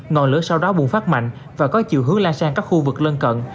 ngọn lửa sau đó bùng phát mạnh và có chiều hướng lan sang các khu vực lân cận